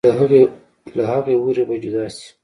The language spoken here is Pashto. لۀ هغې حورې به جدا شي